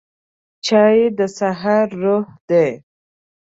چای د سهار روح دی